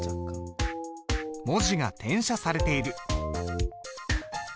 文字が転写されている。